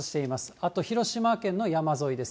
あと広島県の山沿いで。